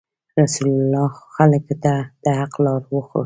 رسول الله خلکو ته د حق لار وښوده.